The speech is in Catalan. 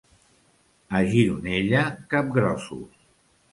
A Gironella, capgrossos.